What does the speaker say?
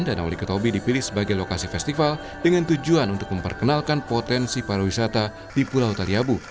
danauli ketobi dipilih sebagai lokasi festival dengan tujuan untuk memperkenalkan potensi para wisata di pulau taliabu